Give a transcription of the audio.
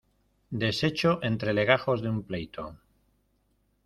deshecho entre legajos de un pleito.